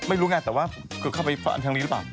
ไม่รู้ไงแต่ว่าคือเข้าไปฟันทางนี้หรือเปล่า